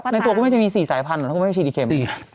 ในตัวก็ไม่ได้มี๔สายพันหรอเขาก็ไม่ได้ฉีดอีกเข็ม